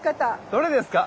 どれですか？